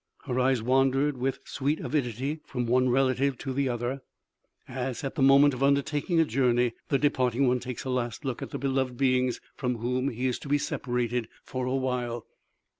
Her eyes wandered with sweet avidity from one relative to the other as, at the moment of undertaking a journey, the departing one takes a last look at the beloved beings from whom he is to be separated for a while.